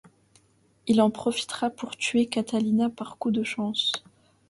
Il en profitera pour tuer Catalina, par coup de chance.